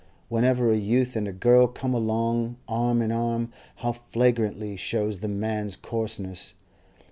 Whenever a youth and a girl come along arm in arm, how flagrantly shows the man's coarseness!